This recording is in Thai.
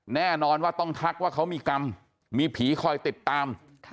แน่นอนว่าต้องทักว่าเขามีกรรมมีผีคอยติดตาม